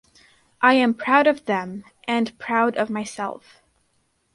I am proud of them, and proud of myself.